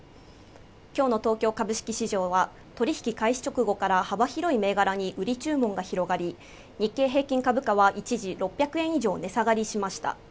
きょうの東京株式市場は取り引き開始直後から幅広い銘柄に売り注文が広がり日経平均株価は一時６００円以上値下がりしました